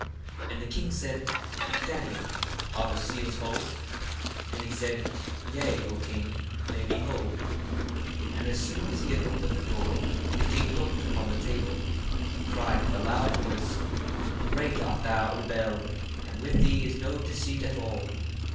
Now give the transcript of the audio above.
1:17 And the king said, Daniel, are the seals whole? And he said, Yea, O king, they be whole. 1:18 And as soon as he had opened the dour, the king looked upon the table, and cried with a loud voice, Great art thou, O Bel, and with thee is no deceit at all.